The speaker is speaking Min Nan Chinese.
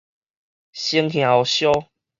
先燃予燒